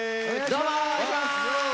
どうもお願いします。